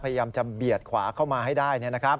พยายามจะเบียดขวาเข้ามาให้ได้